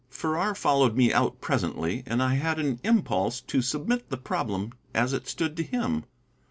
Farrar followed me out presently, and I had an impulse to submit the problem as it stood to him.